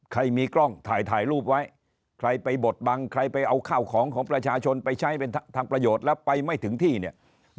ใครมีกล้องถ่ายถ่ายรูปไว้ใครไปบดบังใครไปเอาข้าวของของประชาชนไปใช้เป็นทางประโยชน์แล้วไปไม่ถึงที่เนี่ย